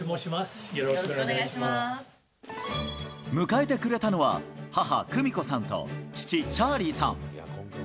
迎えてくれたのは母、久美子さんと父、チャーリーさん。